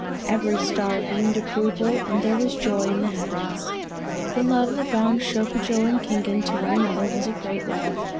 Every star beamed approval, and there was joy in the heavens. The love that bound Shokujo and Kingen to one another was a great love.